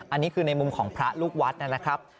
อันนี้คือในมุมของพระลูกวัดนะครับ